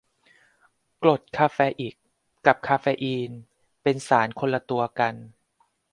กรดคาเฟอิก กับคาเฟอีน เป็นสารคนละตัวกัน